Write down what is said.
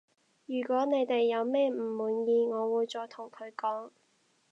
如果你哋有咩唔滿意我會再同佢講